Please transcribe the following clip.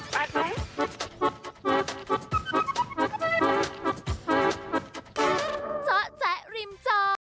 จ๊ะจ๊ะริมจ้อ